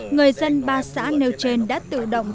người dân ba xã nêu trên đã tự động